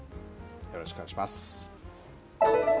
よろしくお願いします。